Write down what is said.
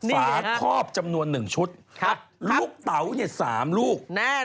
ฝาคอบจำนวน๑ชุดลูกเตา๓ลูก